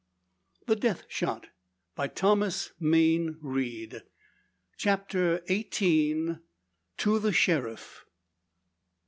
The Death Shot by Captain Mayne Reid CHAPTER EIGHTEEN. "TO THE SHERIFF!"